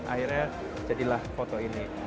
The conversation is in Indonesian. akhirnya jadilah foto ini